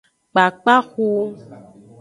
Kpakpaxu.